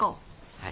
はい。